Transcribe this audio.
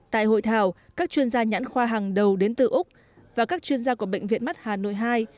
tại hội thảo các chuyên gia nhãn khoa hàng đầu đến từ úc và các chuyên gia của bệnh viện mắt hà nội hai